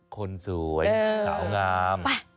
คนสวยสาวงาม